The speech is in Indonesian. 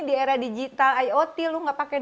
di era digital iot lo gak pakai